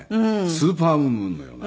スーパームーンのような。